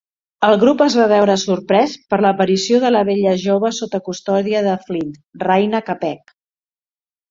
El grup es va veure sorprès per l'aparició de la bella jove sota custòdia de Flint, Rayna Kapec.